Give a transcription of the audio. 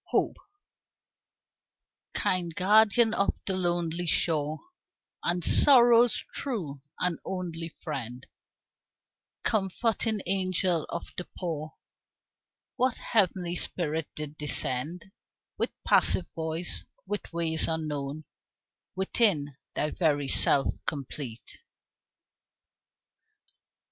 Hope Kind guardian of the Lonely Shore, And Sorrow's true and only friend, Comforting angel of the poor What heavenly spirit did descend With passive voice, with ways unknown, Within thy very self complete?